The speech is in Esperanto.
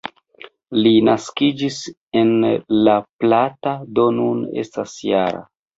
Li naskiĝis en La Plata, do nun estas -jara.